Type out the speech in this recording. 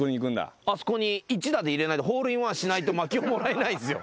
あそこに１打で入れないとホールインワンしないと薪もらえないんすよ。